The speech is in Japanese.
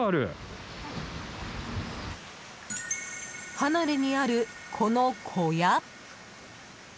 離れにある、この小屋。